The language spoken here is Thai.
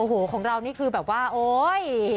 โอ้โหของเรานี่คือแบบว่าโอ๊ย